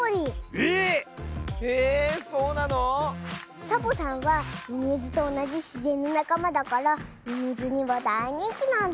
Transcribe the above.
えっ⁉えそうなの⁉サボさんはミミズとおなじしぜんのなかまだからミミズにはだいにんきなんだズー。